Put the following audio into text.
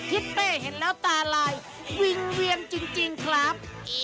ทิศเป้เห็นแล้วตาลายวิ่งเวียนจริงครับ